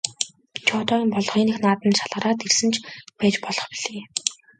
Чи одоогийн болох энэ их наадамд шалгараад ирсэн ч байж болох билээ.